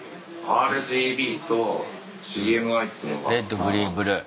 レッドグリーンブルー。